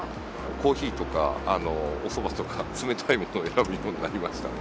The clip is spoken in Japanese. コーヒーとか、おそばとか、冷たいものを選ぶようになりましたね。